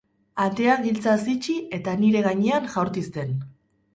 Atea giltzaz itxi eta nire gainean jaurti zen.